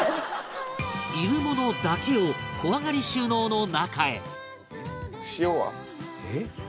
いるものだけを小上がり収納の中へ